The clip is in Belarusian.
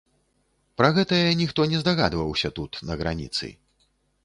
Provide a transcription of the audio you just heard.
Пра гэтае ніхто не здагадваўся тут на граніцы.